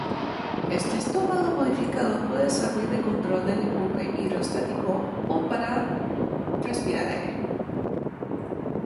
Este estómago modificado puede servir de control del empuje hidrostático o para respirar aire.